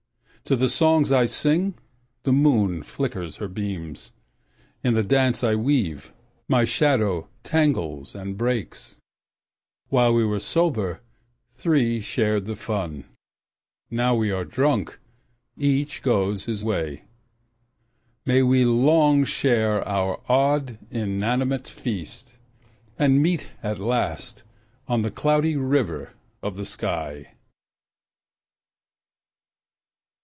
To the songs I sing the moon flickers her beams; In the dance I weave my shadow tangles and breaks. While we were sober, three shared the fun; Now we are drunk, each goes his way. May we long share our odd, inanimate feast, And meet at last on the Cloudy River of the sky.